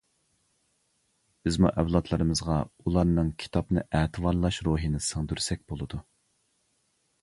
بىزمۇ ئەۋلادلىرىمىزغا ئۇلارنىڭ كىتابنى ئەتىۋارلاش روھىنى سىڭدۈرسەك بولىدۇ.